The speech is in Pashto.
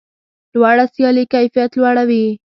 لوړه سیالي کیفیت لوړوي.